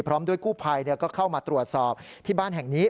พร้อมด้วยกู้ภัยก็เข้ามาตรวจสอบที่บ้านแห่งนี้